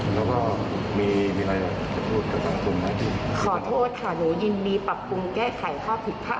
ขอโทษค่ะหนูยินดีปรับปรุงแก้ไขข้อผิดพลาดทั้งหลังที่เกิดขึ้นค่ะ